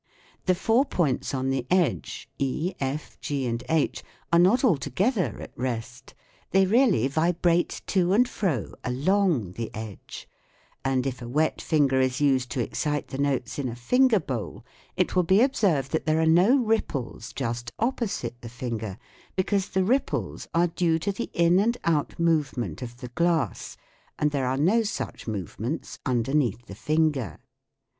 The four points on the edge e, /, g, and h are not altogether at rest ; they really vibrate to and fro along the edge ; and if a wet finger is used to excite the notes in a finger bowl, it will be observed that there are no ripples just opposite the finger, because the ripples are due to the in and out movement of the glass, and there are no such movements underneath the finger.